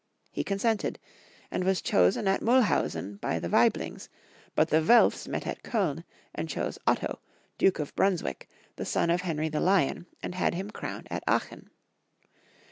He consented, and was chosen at Muhlhausen by the Waiblings, but the Welfs met at Koln and chose 152 f>hilip. 153 Otto, Duke of Brunswick, the son of Henry the Lion, and had him crowned at Aachen.